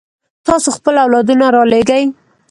تاسو خپل اولادونه رالېږئ.